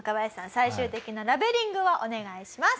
最終的なラベリングをお願いします。